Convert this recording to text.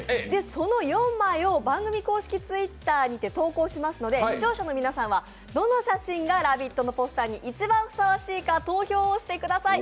その４枚を番組公式Ｔｗｉｔｔｅｒにて投稿しますので視聴者の皆さんは、どの写真が「ラヴィット！」のポスターに一番ふさわしいか投票をしてください。